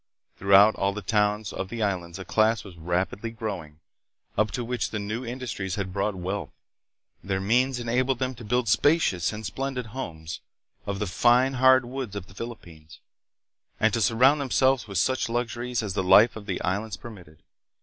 Throughout all the towns of the Islands a class was rapidly growing up to which the new industries had brought wealth. Their means enabled them to build spacious and splendid homes of the fine, hard woods of the Philippines, and to surround themselves with such luxuries as the life of the Islands permitted.